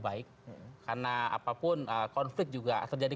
baik karena apapun konflik juga terjadi